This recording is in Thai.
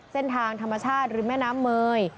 เส้นทางธรรมชาติริมแม่น้ำเมย